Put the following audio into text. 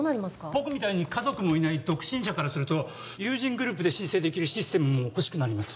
僕みたいに家族もいない独身者からすると友人グループで申請できるシステムもほしくなります